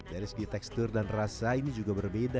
dari segi tekstur dan rasa ini juga berbeda